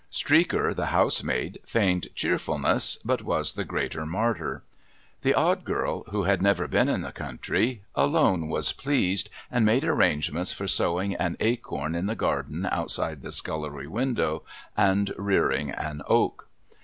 Streaker, the housemaid, feigned cheerfulness, but was the greater martyr. The Odd Ciirl, who had never been in the country, alone was l)lcased, and made arrangements for sowing an acorn in the garden outside the scullery window, and rearing an oak.